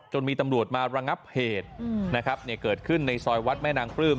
มีตำรวจมาระงับเหตุนะครับเนี่ยเกิดขึ้นในซอยวัดแม่นางปลื้ม